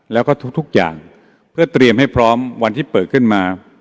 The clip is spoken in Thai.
แล้วก็ทุกอย่างเพื่อเตรียมให้พร้อมวันที่เปิดขึ้นมา